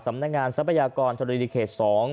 สำนักงานทรัพยากรธรณีเคส๒